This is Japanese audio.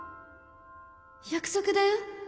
約束だよ